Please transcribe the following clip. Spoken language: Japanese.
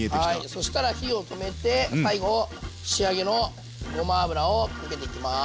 そしたら火を止めて最後仕上げのごま油をかけていきます。